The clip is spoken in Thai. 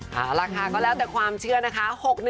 เอาล่ะค่ะก็แล้วแต่ความเชื่อนะคะ